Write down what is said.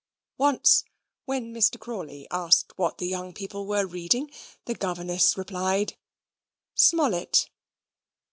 Once, when Mr. Crawley asked what the young people were reading, the governess replied "Smollett."